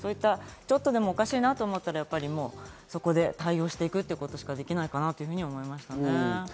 ちょっとでもおかしいなと思ったら、そこ対応していくということしかできないかなと思いました。